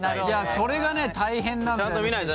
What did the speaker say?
それがね大変なんだよ。